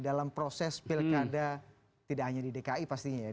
dalam proses pilkada tidak hanya di dki pastinya ya